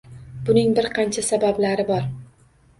Buning bir qancha sabablari bor